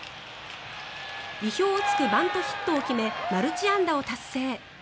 意表を突くバントヒットを決めマルチ安打を達成。